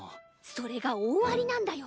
それが大ありなんだよ。